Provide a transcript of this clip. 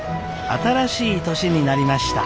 新しい年になりました。